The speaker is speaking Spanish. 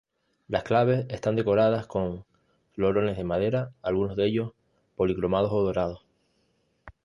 Las claves están decoradas con florones de madera, algunos de ellos policromados o dorados.